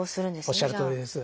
おっしゃるとおりです。